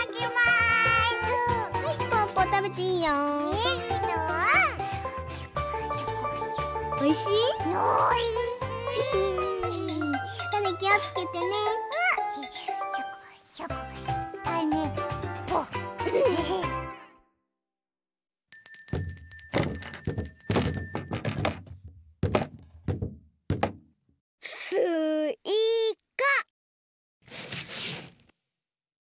すいか。